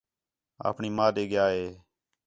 آپݨی ماں ݙے ڳِیا ہِے